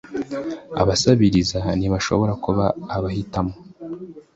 abasabiriza ntibashobora kuba abahitamo